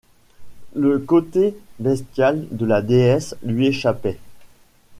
Le côté bestial de la déesse lui échappait.